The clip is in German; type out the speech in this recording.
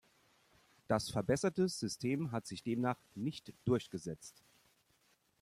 Das verbesserte System hat sich demnach nicht durchgesetzt.